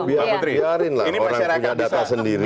biarin lah orang yang punya data sendiri